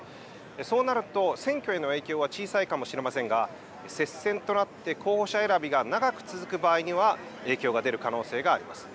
そうなると、選挙への影響は小さいかもしれませんが、接戦となって候補者選びが長く続く場合には、影響が出る可能性があります。